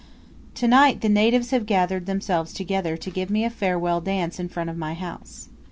To night the natives have gathered themselves together to give me a farewell dance in front of my house.